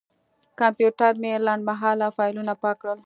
کمپیوټر مې لنډمهاله فایلونه پاک کړل.